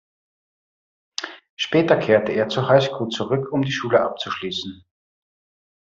Später kehrte er zur High School zurück, um die Schule abzuschließen.